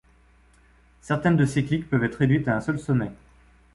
Certaines de ces cliques peuvent être réduites à un seul sommet.